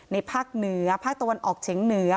ภาคเหนือภาคตะวันออกเฉียงเหนือ